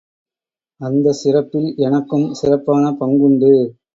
அந்தச் சிறப்பில் எனக்கும் சிறப்பான பங்குண்டு.